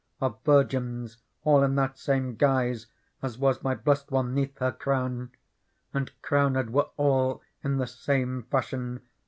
Of virgins, allin that^^me guise As \vanny blest one 'neath her crown : And crowned were all in the same fashion.